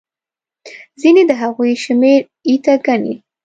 ځینې د هغوی شمېر ایته ګڼي.